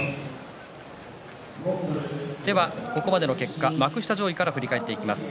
ここまでの結果幕下上位から振り返っていきます。